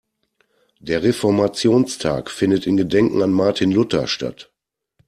Der Reformationstag findet in Gedenken an Martin Luther statt.